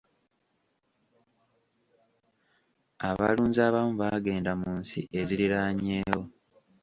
Abalunzi abamu baagenda mu nsi eziriraanyeewo.